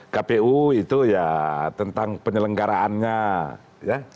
kpu itu ya tentang penyelenggaraannya ya